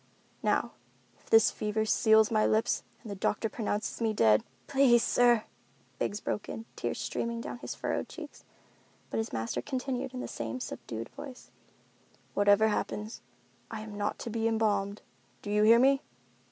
Now, if this fever seals my lips and the doctor pronounces me dead——" "Please, sir," Biggs broke in, tears streaming down his furrowed cheeks, but his master continued in the same subdued voice, "Whatever happens, I am not to be embalmed—do you hear me?